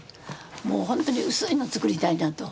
もう本当に薄いの作りたいなと。